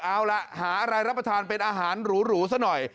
เอาล่ะหาอะไรรับประทานเป็นอาหารหรูซะหน่อย